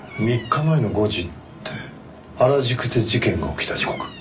３日前の５時って原宿で事件が起きた時刻。